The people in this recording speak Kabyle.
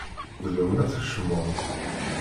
D lawan ad tkecmeḍ.